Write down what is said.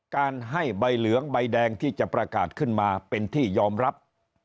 การให้ใบเหลืองใบแดงที่จะประกาศขึ้นมาเป็นที่ยอมรับ